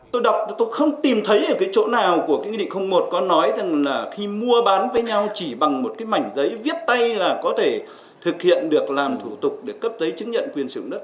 tôi đọc tôi không tìm thấy ở cái chỗ nào của cái nghị định một có nói rằng là khi mua bán với nhau chỉ bằng một cái mảnh giấy viết tay là có thể thực hiện được làm thủ tục để cấp giấy chứng nhận quyền sử dụng đất